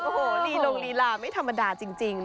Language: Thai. โอ้โหลีลงลีลาไม่ธรรมดาจริง